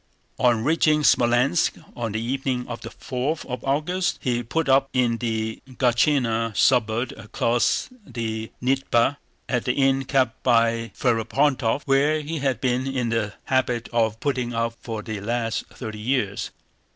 On reaching Smolénsk on the evening of the fourth of August he put up in the Gáchina suburb across the Dnieper, at the inn kept by Ferapóntov, where he had been in the habit of putting up for the last thirty years.